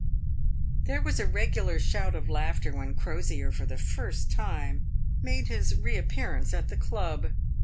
There was a regular shout of laughter when Crosier, for the first time, made his reappearance at the club.